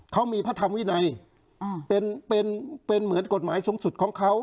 เขามีพระธรรมวินัยเป็นเป็นเหมือนกฎหมายสูงสุดของเขา